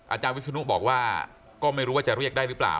อาจารย์วิศนุบอกว่าก็ไม่รู้ว่าจะเรียกได้หรือเปล่า